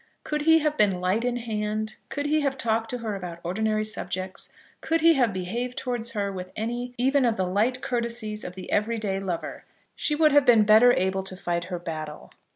Could he have been light in hand, could he have talked to her about ordinary subjects, could he have behaved towards her with any even of the light courtesies of the every day lover, she would have been better able to fight her battle.